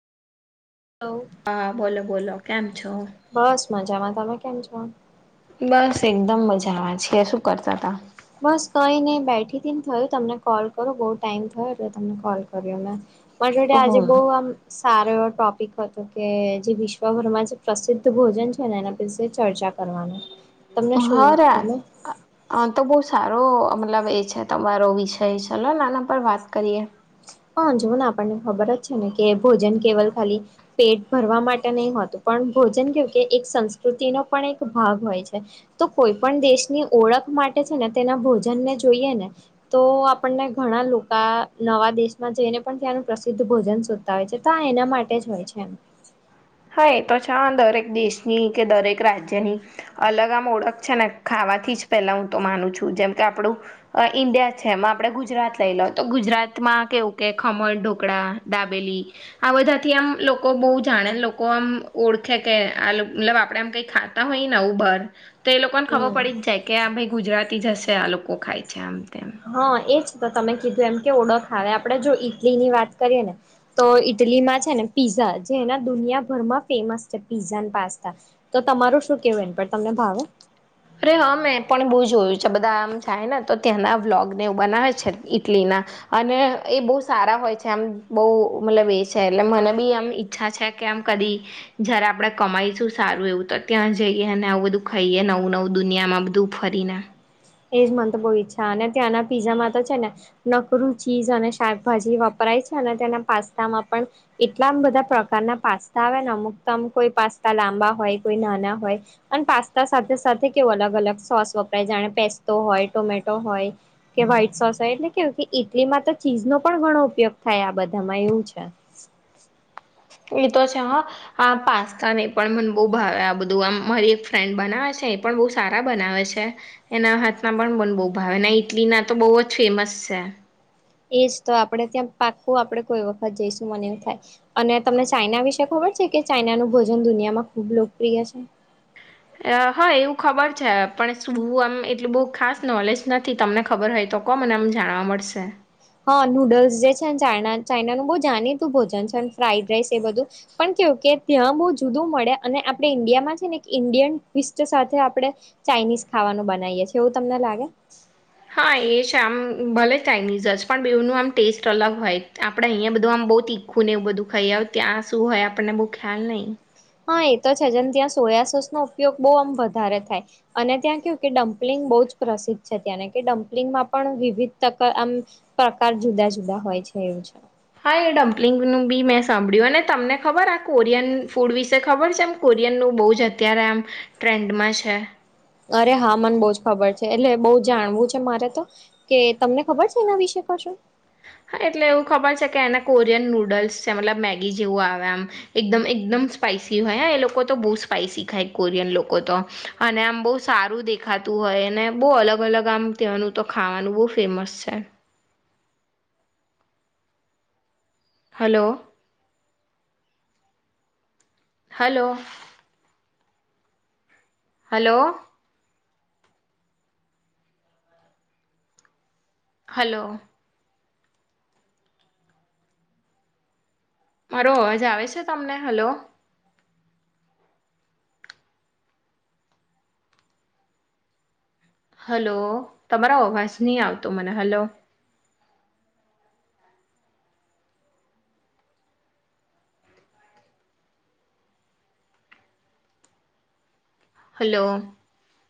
[unintelligible] હા બોલો બોલો કેમ છો બસ મજામાં તમે કેમ છો? બસ એકદમ મજામાં છે શું કરતા તા? બસ કઈ ની બેઠી થયું તમને કોલ કરો બહુ ટાઈમ થયો એટલે તમને કોલ કર્યો મે [unintelligible] ઓહો આજે બઉ આમ સારો એવો ટોપિક હતો કે જે વિશ્વભરમાં જે પ્રસિદ્ધ ભોજન છે ને એના વિશે ચર્ચા કરવાનું હારા આ તો બહુ સારો મતલબ એ છે તમારો વિષય ચલો નાના પર વાત કરીએ હા જો ને આપણને ખબર જ છે ને કે ભોજન કેવલ ખાલી પેટ ભરવા માટે નહી હોતું પણ ભોજન કેવ કે એક સંસ્કૃતિનો પણ એક ભાગ હોય છે તો કોઈ પણ દેશની ઓળખ માટે છે ને તેના ભોજનને જોઈએ ને તો આપણને ઘણા લોકા નવા દેશ માં જઈને પણ ત્યાંનું પ્રસિદ્ધ ભોજન શોધતા હોય તો આ એના માટે જ હોય એમ હા એ તો છે અન દરેક દેશની કે દરેક રાજ્યની અલગ આમ ઓળખ છે ને ખાવાથી જ પેલા હું તો માનું છું જેમ કે આપડું ઈન્ડિયા છે એમાં આપડે ગુજરાત લઈ લો તો ગુજરાતમાં કેવું કે ખમણ ઢોકળા દાબેલી આ બધા થી આમ લોકો બહુ જાણે લો લોકો આમ ઓળખે કે મતલ આપડે આમ કઈ ખાતા હોય ને આવું બાર તો એ લોકોને ખબર હમ પડી જ જાય કે આ ભાઈ ગુજરાતી જ હશે આ લોકો ખાય છે આમ તેમ હા એ છે તો તમે કીધું એમ કે ઓળખ આવે આપણે જો ઈટલી ની વાત કરીએ ને તો ઈટલીમાં છે ને પીઝા જેના દુનિયાભરમાં ફેમસ છે પીઝાન પાસ્તા તો તમારું શું કેવું એ પર તમને ભાવે અરે હા મેં પણ બો જોયુ છે બધા આમ જાય ને તો ત્યાંના વ્લોગ ને એવું બનાવે છે ઈટલી ના અને એ બહુ સારા હોય છે આમ બહુ મતલબ એ છે એટલે મને બી આમ ઈ- છા છે કે આમ કદી જયારે આપડે કમાઈશું સારું એવું તો ત્યાં જઈએ અને આવું બધું ખાઈએ નવું નવું દુનિયામાં બધું ફરીને એજ મન તો બઉ ઈચ્છા અને ત્યાંના પીઝામાં તો છે ને નકરું ચીજ અને શાકભાજી વપરાય છે અને તેના પાસ્તામાં પણ. એટલામ બધા પ્રકારના પાસ્તા આવે ને અમુક તો અમુક કોઈ પાસ્તા લાંબા હોય કોઈ નાના હોય. અને પાસ્તા સાથે સાથે કેવો અલગ અલગ સોસ વપરાય જાણે પેસ્તો હોય ટોમેટો હોય. કે વ્હાઈટ સોસ હોય એટલે કેવુ કે ઇટલીમાં તો ચીઝનો પણ ઘણો ઉપયોગ થયા આ બધામાં એવું છે. એ તો છે હા હા પાસ્તાને એ પણ મને બહુ ભાવે આ બધું આમ મારી એક ફ્રેન્ડ બનાવે છે. પણ બહુ સારા બનાવે છે. એના હાથમાં પણ મન બહુ ભાવે ને ઇટલીના તો બહુ જ ફેમસ છે. એજ તો આપડે ત્યાં પાકું આપણેે કોઈ વખત જઈશું મને એમ થાય. અને તમને ચાાઈના વિશે ખબર છે કે ચાઈનાનું ભોજન દુનિયામાં ખુબ લોકપ્રિય છે. હા એવું ખબર છે પણ શું આમ એટલું બહુ ખાસ નોલેજ નથી તમને ખબર હોય તો. કહો મને આમ જાણવા મળશે. હા નૂડલ્સ જે છે ને ચાઇના ચાઇનાનું બહુ જાણીતું ભોજન છે ફ્રાઈડ રાઇસ એ બધું. પણ કેવું કે ત્યાં બહુ જુદું મળે અને આપણે ઇન્ડિયામાં છે ને એક ઇન્ડિયન ટ્વીસ્ટ સાથે આપણે. ચાઇનીઝ ખાવાનું બનાવીએ છીએ એવું તમને લાગે. હા એ છે આમ ભલે ચાઇનીઝ જ પણ બેવનું આમ ટેસ્ટ અલગ હોય આપણે અહીંયા બધું આમ બહુ તી ખું ને એવું બધું ખાઈ આવ ત્યાં શું હોય આપણને બહુ ખ્યાલ નહીં. હા એ તો છે જેમ ત્યાં સોયા સોસનો ઉપયોગ બહુ આમ વધારે થાય. અને ત્યાં કેવું કે ડમ્પલિંગ બહુ જ પ્રસિદ્ધ છે ત્યાંને કે ડમ્પલિંગમાં પણ વિવિધ તકા આમ. પ્રકાર જુદા જુદા હોય છે એવું છે. હા એ ડમ્પલિંગનું બી મેં સાંભળ્યું અને તમને ખબર આ કોરિયન ફૂડ વિશે ખબર છે એમ. કોરિયનનું બહુ જ અત્યારે આમ ટ્રેન્ડમાં છે. અરે હા મને બહુ જ ખબર છે એટલે બહુ જાણવું છે મારે તો. કે તમને ખબર છે એના વિશે કશું? હા એટલે એવું ખબર છે કે એને કોરિયન નૂડલ્સ છે મતલબ મેગી જેવું આવે એમ. એકદમ એકદમ સ્પાઈસી હોય હે એ લોકો તો બહુ સ્પાઈસી ખાય કોરિયન લોકો તો. અને આમ બહુ સારું દેખાતું હોય અને બહુ અલગ અલગ આમ ત્યાંનું તો ખાવાનું બહુ ફેમસ છે. હલો. હલો. હલો. હલો. મારો અવાજ આવે છે તમને હલો. હલો તમારા અવાજ ની આવતો મને હલો. હલો.